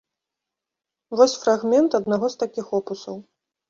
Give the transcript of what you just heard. Вось фрагмент аднаго з такіх опусаў.